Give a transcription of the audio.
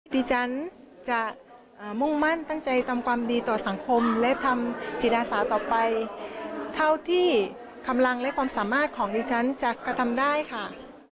ดิฉันจะมุ่งมั่นตั้งใจทำความดีต่อสังคมและทำจิตอาสาต่อไปเท่าที่กำลังและความสามารถของดิฉันจะกระทำได้ค่ะ